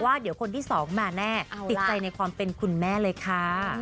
เดี๋ยวคนที่สองมาแน่ติดใจในความเป็นคุณแม่เลยค่ะ